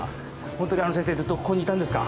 ホントにあの先生ずっとここにいたんですか？